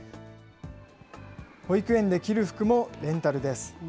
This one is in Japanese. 保育園で着る服もレンタルです。